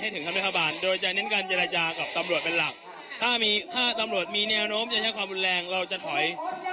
ตอบรวจเป็นหลักถ้ามีถ้าตอบรวจมีแนวโน้มจะอยากที่การคนแรงเราจะถอย